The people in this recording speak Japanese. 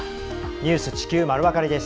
「ニュース地球まるわかり」です。